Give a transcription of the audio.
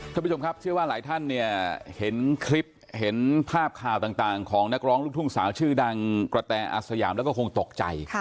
ท่านผู้ชมครับเชื่อว่าหลายท่านเนี่ยเห็นคลิปเห็นภาพข่าวต่างของนักร้องลูกทุ่งสาวชื่อดังกระแตอาสยามแล้วก็คงตกใจ